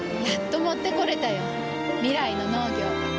やっと持ってこれたよ。未来の農業。